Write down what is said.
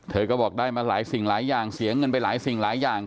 เธอก็บอกได้มาหลายสิ่งหลายอย่างเสียเงินไปหลายสิ่งหลายอย่าง